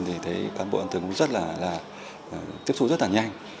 thì thấy cán bộ an thường cũng rất là tiếp xúc rất là nhanh